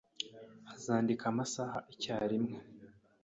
Azandika amasaha icyarimwe.